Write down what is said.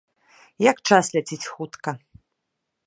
Як час ляціць хутка!